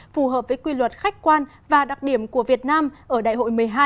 phù hợp với quy luật khách quan và đặc điểm của việt nam ở đại hội một mươi hai